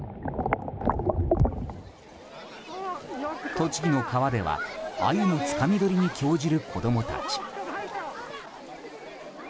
栃木の川ではアユのつかみ取りに興じる子供たち。